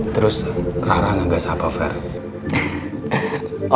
terus rara ngegas apa vero